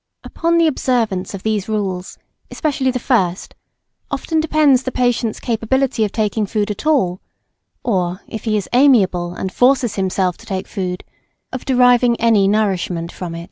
Upon the observance of these rules, especially the first, often depends the patient's capability of taking food at all, or, if he is amiable and forces himself to take food, of deriving any nourishment from it.